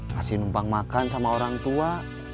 kasih numpang makan sama orang tua